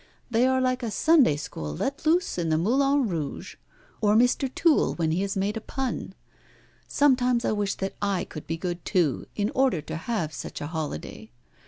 They are like a Sunday school let loose in the Moulin Rouge, or Mr. Toole when he has made a pun! Sometimes I wish that I could be good too, in order to have such a holiday.